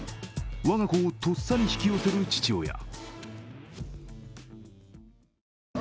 我が子をとっさに引き寄せる父親。